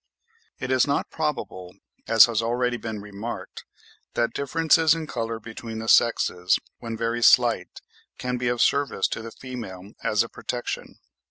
It is not probable, as has already been remarked, that differences in colour between the sexes, when very slight, can be of service to the female as a protection.